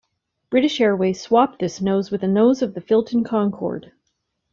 British Airways swapped this nose with the nose of the Filton Concorde.